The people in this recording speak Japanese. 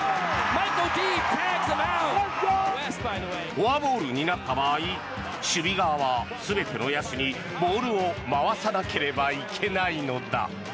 フォアボールになった場合守備側は全ての野手にボールを回さなければいけないのだ。